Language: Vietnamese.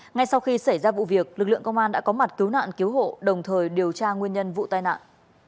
ngay sau khi xảy ra vụ việc lực lượng công an đã có mặt cứu nạn cứu hộ đồng thời điều tra nguyên nhân vụ tai nạn